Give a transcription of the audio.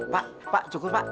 pak pak jokor pak